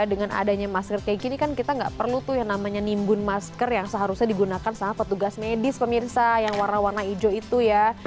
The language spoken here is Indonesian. karena adanya masker kayak gini kan kita gak perlu tuh yang namanya nimbun masker yang seharusnya digunakan sama petugas medis pemirsa yang warna warna hijau itu ya